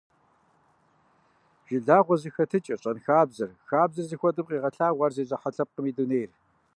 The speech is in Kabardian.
Жылагъуэ зэхэтыкӀэр, щэнхабзэр, хабзэр зыхуэдэм къегъэлъагъуэ ар зезыхьэ лъэпкъым и дунейр.